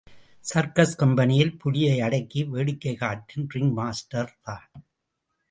Circus கம்பெனியில் புலியை அடக்கி வேடிக்கை காட்டும் ரிங் மாஸ்டர் தான்.